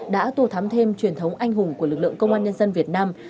đã tù thắm thêm truyền thống anh hùng của lực lượng công an nhân dân việt nam